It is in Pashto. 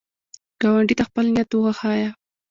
ګاونډي ته خپل ښه نیت وښیه